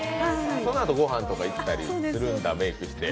そのあとご飯とか行ったりするんだ、メイクして。